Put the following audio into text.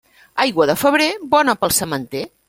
Aigua de febrer, bona pel sementer.